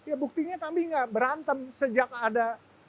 ya buktinya kami nggak berantem sejak ada